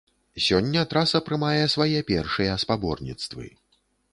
Сёння траса прымае свае першыя спаборніцтвы.